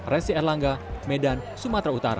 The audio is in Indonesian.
resi erlangga medan sumatera utara